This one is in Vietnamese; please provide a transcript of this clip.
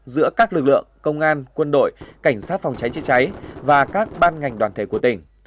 giữa các lực lượng công an quân đội cảnh sát phòng cháy chữa cháy và các ban ngành đoàn thể của tỉnh